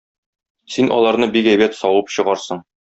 Син аларны бик әйбәт савып чыгарсың.